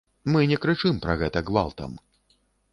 Мы не крычым пра гэта гвалтам.